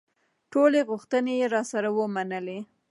ټولې غوښتنې یې راسره ومنلې.